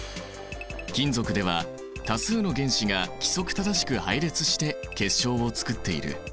金属では多数の原子が規則正しく配列して結晶をつくっている。